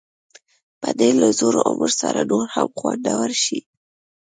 پنېر له زوړ عمر سره نور هم خوندور شي.